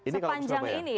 sepanjang ini ya berarti